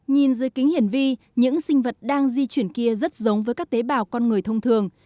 nhìn dưới kính hiển vi những sinh vật đang di chuyển kia rất giống với các tế bào con người thông thường